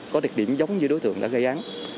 có đặc điểm giống như đối tượng đã gây án